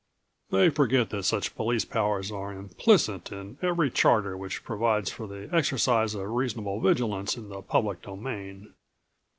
They forget that such police powers are implicit in every charter which provides for the exercise of reasonable vigilance in the public domain.